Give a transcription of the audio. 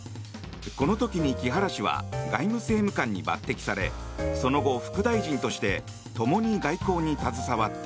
この時に木原氏は外務政務官に抜てきされその後、副大臣としてともに外交に携わった。